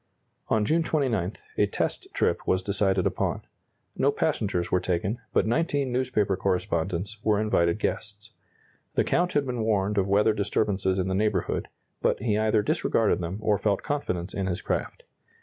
On June 29, a test trip was decided upon. No passengers were taken, but 19 newspaper correspondents were invited guests. The Count had been warned of weather disturbances in the neighborhood, but he either disregarded them or felt confidence in his craft.